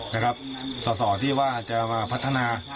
นะครับส่อสอที่จะมาพัฒนา